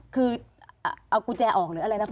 คือเอากุญแจออกหรืออะไรนะคุณ